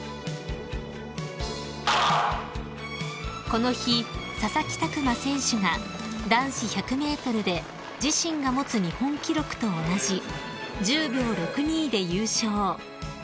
［この日佐々木琢磨選手が男子１００ｍで自身が持つ日本記録と同じ１０秒６２で優勝］